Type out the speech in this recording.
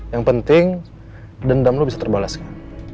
yang penting dendam lo bisa terbalaskan